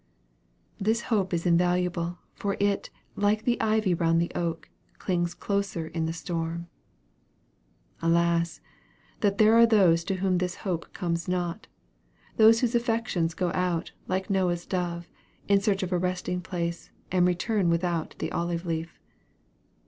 This hope is invaluable; for it, "like the ivy round the oak, Clings closer in the storm." Alas! that there are those to whom this hope comes not! those whose affections go out, like Noah's dove, in search of a resting place; and return without the olive leaf.